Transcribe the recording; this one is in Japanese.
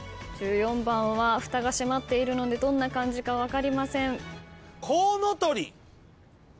１４番はふたが閉まっているのでどんな漢字か分かりません。